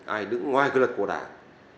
ai đứng ngoài quy luật của đảng